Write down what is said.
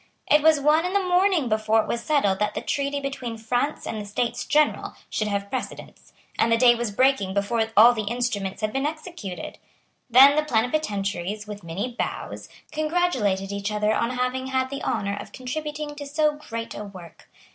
It was one in the morning before it was settled that the treaty between France and the States General should have precedence; and the day was breaking before all the instruments had been executed. Then the plenipotentiaries, with many bows, congratulated each other on having had the honour of contributing to so great a work.